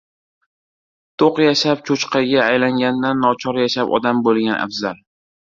• To‘q yashab cho‘chqaga aylangandan nochor yashab odam bo‘lgan afzal.